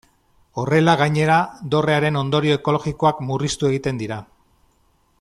Horrela gainera, dorrearen ondorio ekologikoak murriztu egiten dira.